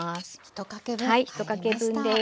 はい１かけ分です。